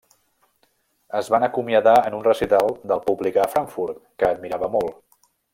Es van acomiadar en un recital del públic a Frankfurt, que admirava molt.